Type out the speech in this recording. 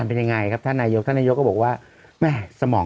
ต่อกันกันไป